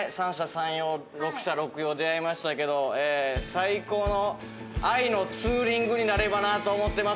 三様六者六様出会いましたけど最高の愛のツーリングになればなと思ってます。